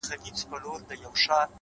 تجربه تر کتابونو ژوره ښوونه ده!.